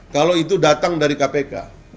kalau itu datang dari kpk